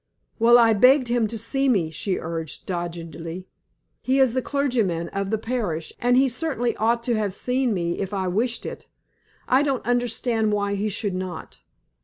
"Well, I begged him to see me," she urged, doggedly. "He is the clergyman of the parish, and he certainly ought to have seen me if I wished it. I don't understand why he should not.